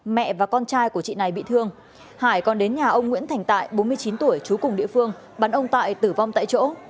mẹ và con trai của chị này bị thương hải còn đến nhà ông nguyễn thành tại bốn mươi chín tuổi chú cùng địa phương bắn ông tại tử vong tại chỗ